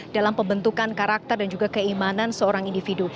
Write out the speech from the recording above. dalam pembentukan karakter dan juga keimanan seorang individu